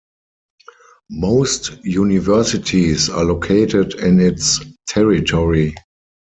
Most universities are located in its territory.